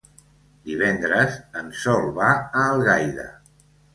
Divendres en Sol va a Algaida.